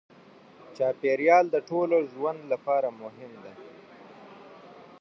چاپېریال د ټولو ژوند لپاره مهم دی.